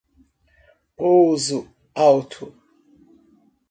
Pouso Alto